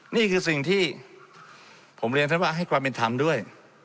นี่คือสิ่งที่ผมเรียนท่านว่าให้ความเป็นธรรมด้วย